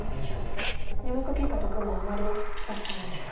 ２目切った得もあまり大きくないですか。